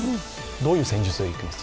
どういう戦術でいきます？